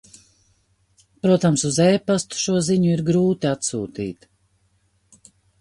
Protams, uz e-pastu šo ziņu ir grūti atsūtīt...